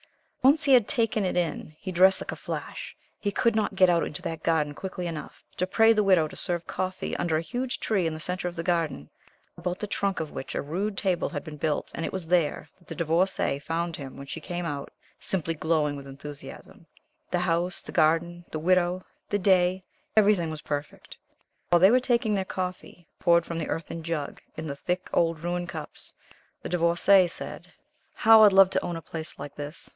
Once he had taken it in he dressed like a flash he could not get out into that garden quickly enough, to pray the Widow to serve coffee under a huge tree in the centre of the garden, about the trunk of which a rude table had been built, and it was there that the Divorcée found him when she came out, simply glowing with enthusiasm the house, the garden, the Widow, the day everything was perfect. While they were taking their coffee, poured from the earthen jug, in the thick old Rouen cups, the Divorcée said: "How I'd love to own a place like this.